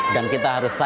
dan kita harus ramah